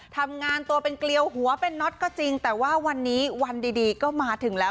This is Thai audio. ทำงานตัวเป็นเกลียวหัวเป็นน็อตก็จริงแต่ว่าวันนี้วันดีก็มาถึงแล้ว